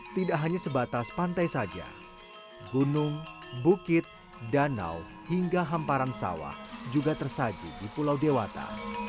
tidak hanya sebatas pantai saja gunung bukit danau hingga hamparan sawah juga tersaji di pulau dewata